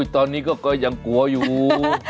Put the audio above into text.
ตอนนี้ก็ยังกลัวอยู่